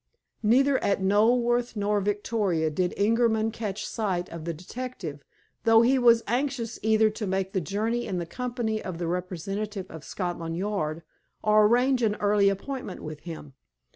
Neither at Knoleworth nor Victoria did Ingerman catch sight of the detective, though he was anxious either to make the journey in the company of the representative of Scotland Yard or arrange an early appointment with him.